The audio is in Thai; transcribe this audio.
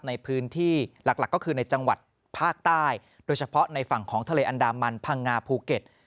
ในพื้นที่หลักก็คือในจังหวัดภาคใต้โดยเฉพาะในฝั่งของทะเลอันดามันพังงาภูเก็ต